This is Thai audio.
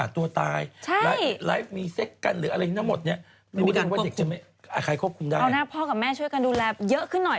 ตอนนี้ก็บอกทีวีกล้าพคลอลเราทำรุนแรง